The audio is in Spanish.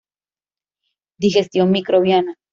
Digestión microbiana